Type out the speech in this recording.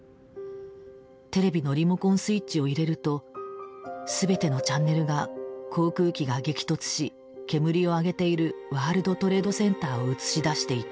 テレビのリモコンスイッチを入れると全てのチャンネルが航空機が激突し煙を上げているワールド・トレード・センターをうつし出していた。